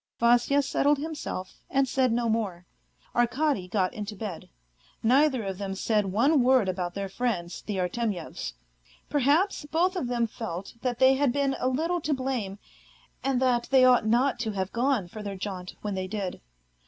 ..." Vasya settled himself, and said no more, Arkady got into bed. Neither of them said one word about their friends, the Artemyevs. Perhaps both of them felt that they had been a little to blame, and that they ought not to have gone for their jaunt when they did.